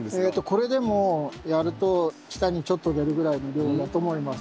これでもやると下にちょっと出るぐらいの量だと思います。